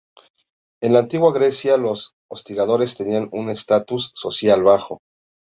En la Antigua Grecia, los hostigadores tenían un estatus social bajo.